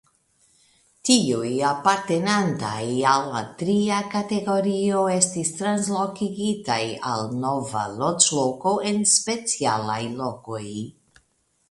Tiuj apartenantaj al la tria kategorio estis translokigitaj al nova loĝloko en specialaj lokoj.